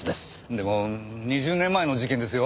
でも２０年前の事件ですよ。